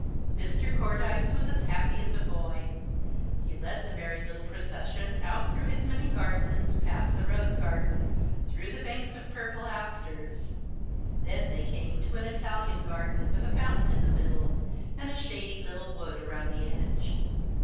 Mr. Cordyce was as happy as a boy. He led the merry little procession out through his many gardens, past the rose garden, through the banks of purple asters. Then they came to an Italian garden with a fountain in the middle, and a shady little wood around the edge.